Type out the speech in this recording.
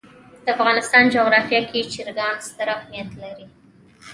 د افغانستان جغرافیه کې چرګان ستر اهمیت لري.